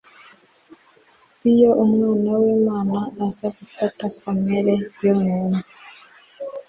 iyo Umwana w'Imana aza gufata kamere y'umuntu,.